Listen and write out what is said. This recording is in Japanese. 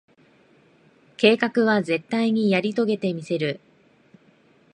計画は、絶対にやり遂げてみせる。